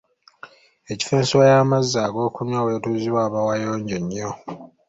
Ekifo ensuwa y’amazzi ag’okunywa w’etuuzibwa waba wayonjo nnyo.